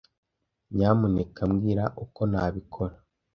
Nyamuneka mbwira uko nabikora.